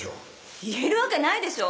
言えるわけないでしょ！